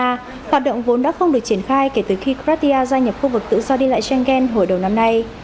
hoạt động vốn đã không được triển khai kể từ khi cratia gia nhập khu vực tự do đi lại schengen hồi đầu năm nay